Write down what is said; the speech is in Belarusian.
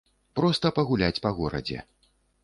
Проста пагуляць па горадзе.